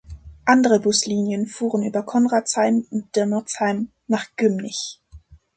Andere Buslinien fuhren über Konradsheim und Dirmerzheim nach Gymnich.